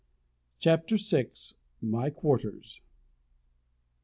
CHAPTER VI _My Quarters.